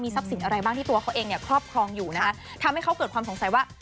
ทรัพย์สินอะไรบ้างที่ตัวเขาเองเนี่ยครอบครองอยู่นะคะทำให้เขาเกิดความสงสัยว่า